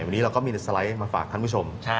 วันนี้เราก็มีในสไลด์มาฝากท่านผู้ชม